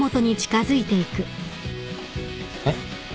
えっ？